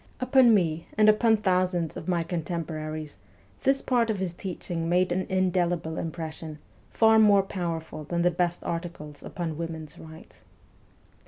Upon me, and upon thousands of my con temporaries, this part of his teaching made an indelible impression, far more powerful than the best articles upon women's rights.